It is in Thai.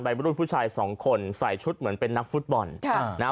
รุ่นผู้ชายสองคนใส่ชุดเหมือนเป็นนักฟุตบอลค่ะนะฮะ